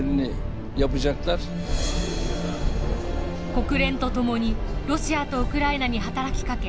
国連と共にロシアとウクライナに働きかけ